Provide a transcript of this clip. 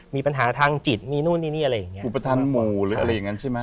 มีปัญหาทางจิตมีนู่นนี่นี่อะไรอย่างเงี้อุปทานหมู่หรืออะไรอย่างนั้นใช่ไหม